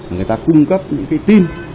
người ta cung cấp những cái tin